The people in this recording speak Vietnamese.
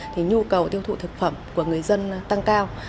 thì nhu cầu tiêu thụ thực phẩm của người dân tăng cao